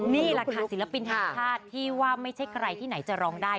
นี่แหละค่ะศิลปินแห่งชาติที่ว่าไม่ใช่ใครที่ไหนจะร้องได้